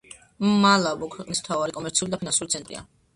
მალაბო ქვეყნის მთავარი კომერციული და ფინანსური ცენტრია.